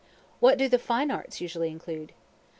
What do the Fine Arts usually include?